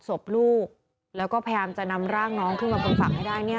ศพลูกแล้วก็พยายามจะนำร่างน้องขึ้นมาบนฝั่งให้ได้เนี่ย